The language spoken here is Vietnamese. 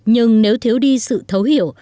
nhưng nếu thiếu đi sự thấu hiểu